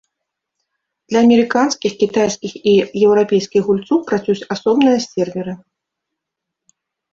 Для амерыканскіх, кітайскіх і еўрапейскіх гульцоў працуюць асобныя серверы.